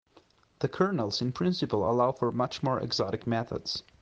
The kernels in principle allow for much more exotic methods.